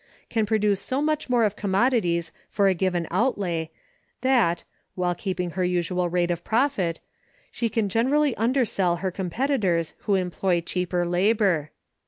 can produce so much more of commodities for a given outlay that (while keeping her usual rate of profit) she can generally undersell her competitors who employ cheaper labor.